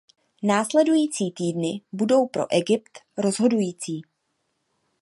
Následující týdny budou pro Egypt rozhodující.